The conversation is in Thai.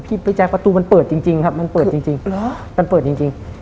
พี่แจ๊กประตูมันเปิดจริงครับมันเปิดจริง